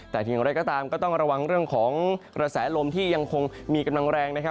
แต่อย่างไรก็ตามก็ต้องระวังเรื่องของกระแสลมที่ยังคงมีกำลังแรงนะครับ